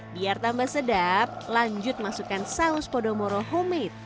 biar tambah sedap lanjut masukkan saus podomoro homemade